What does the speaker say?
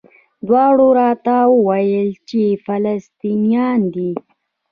دواړو راته وویل چې فلسطینیان دي.